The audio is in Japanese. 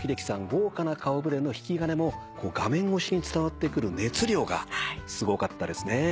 豪華な顔触れの『銃爪』も画面越しに伝わってくる熱量がすごかったですね。